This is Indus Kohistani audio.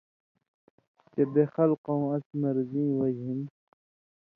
چے بے خلکؤں اس مرضیں وجہۡ،